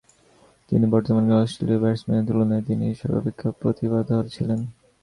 তিনি বর্তমানকালের অস্ট্রেলীয় ব্যাটসম্যানের তুলনায় তিনি সর্বাপেক্ষা প্রতিভাধর ছিলেন।